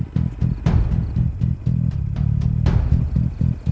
kenapa kamu berhenti